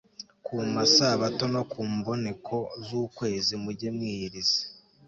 ku masabato no ku mboneko z'ukwezi, mujye mwiyiriza